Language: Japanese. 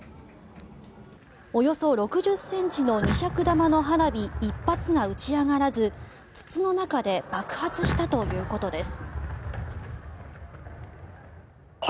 およそ６０ｃｍの２尺玉の花火１発が打ち上がらず筒の中で爆発したということです。